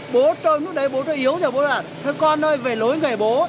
bố tôi lúc đấy bố tôi yếu rồi bố tôi là thưa con ơi về lối nghề bố